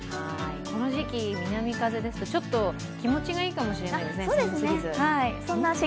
この時期、南風ですと、ちょっと気持ちがいいかもしれないですね、寒すぎず。